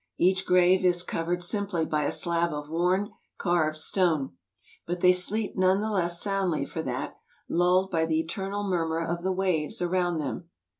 Each grave is covered simply by a slab of worn, carved stone. But they sleep none the less soundly for that, lulled by the eternal murmur of the waves around them.